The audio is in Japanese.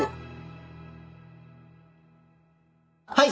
はい！